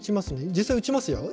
実際、撃ちますよ。